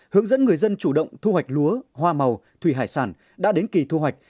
hướng dẫn người dân chủ động thu hoạch lúa hoa màu thủy hải sản đã đến kỳ thu hoạch